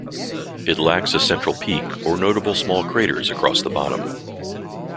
It lacks a central peak or notable small craters across the bottom.